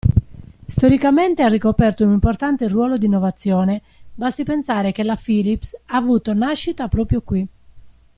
Storicamente ha ricoperto un importante ruolo di innovazione, basti pensare che la Philips ha avuto nascita proprio qui!